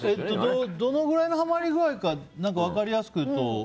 どのくらいのはまり具合か分かりやすく言うと。